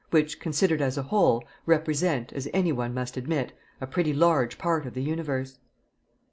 which, considered as a whole, represent, any one must admit, a pretty large part of the universe.